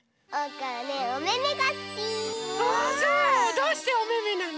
どうしておめめなの？